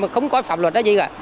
không có phạm luật gì cả